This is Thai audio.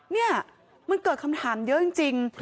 นี่มันเกิดคำถามเยอะจริง